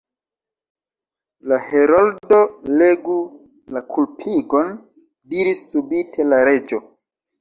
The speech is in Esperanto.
"La Heroldo legu la kulpigon," diris subite la Reĝo.